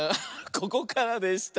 ここからでした。